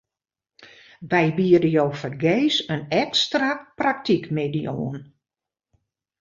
Wy biede jo fergees in ekstra praktykmiddei oan.